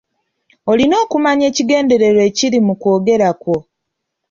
Olina okumanya ekigendererwa ekiri mu kwogera kwo.